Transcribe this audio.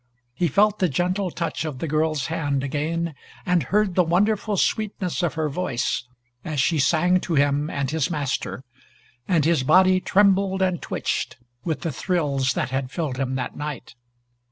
He felt the gentle touch of the girl's hand again and heard the wonderful sweetness of her voice as she sang to him and his master, and his body trembled and twitched with the thrills that had filled him that night.